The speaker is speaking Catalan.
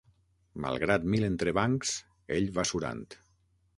Malgrat mil entrebancs, ell va surant.